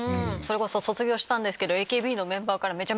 卒業したんですけど。